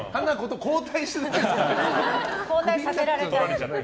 交代させられて。